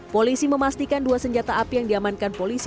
polisi memastikan dua senjata api yang diamankan polisi